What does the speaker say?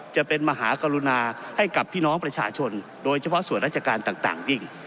จะเป็นมหากรุณาให้กับพี่น้องประชาชนโดยเฉพาะส่วนราชการต่างยิ่ง